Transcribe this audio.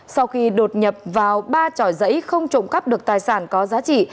sau khi đột nhập vào ba tròi giấy không trộm cắp được tài sản có giá trị